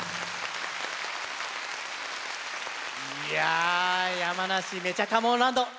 いや山梨めちゃかもんランド